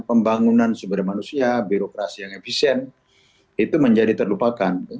pembangunan sumber manusia birokrasi yang efisien itu menjadi terlupakan